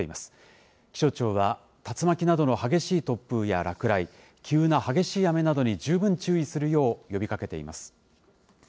気象庁は、竜巻などの激しい突風や落雷、急な激しい雨などに十分注意するよう呼びかけています。